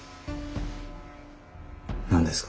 何ですか？